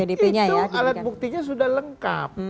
itu alat buktinya sudah lengkap